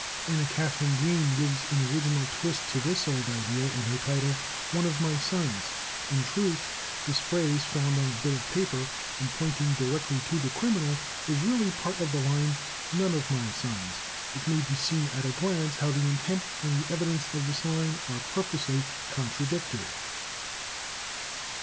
Anna Katharine Green gives an original twist to this old idea in her title, "One of My Sons." In truth, this phrase, found on a bit of paper and pointing directly to the criminal, was really part of the line, "None of my Sons." It may be seen at a glance how the intent and the evidence of this line are purposely contradictory.